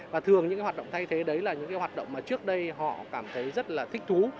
và thường những hoạt động thay thế đấy là những hoạt động mà trước đây họ cảm thấy rất là thích thú